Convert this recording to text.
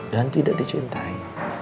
dan tidak dicintai